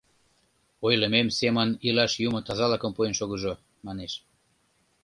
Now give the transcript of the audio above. «Ойлымем семын илаш юмо тазалыкым пуэн шогыжо, — манеш.